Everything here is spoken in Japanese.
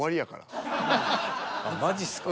あっマジっすか。